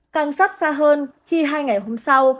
càng xót xa hơn khi hai ngày hôm sau